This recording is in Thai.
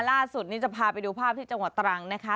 ล่าสุดนี้จะพาไปดูภาพที่จังหวัดตรังนะคะ